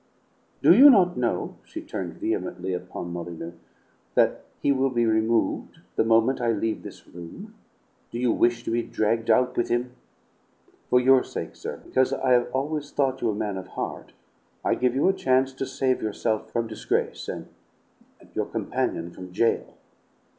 "Do you not know," she turned vehemently upon Molyneux, "that he will be removed the moment I leave this room? Do you wish to be dragged out with him? For your sake, sir, because I have always thought you a man of heart, I give you a chance to save yourself from disgrace and your companion from jail.